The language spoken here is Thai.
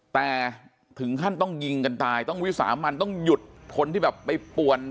แต่ถึงขั้นต้องยิงกันตายต้องวิสามันต้องหยุดคนที่แบบไปป่วน